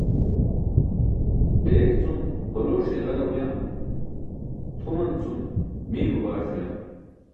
Deek cum baloṣe iġara uyam, tʰuman cum miymo baaṣ uyam.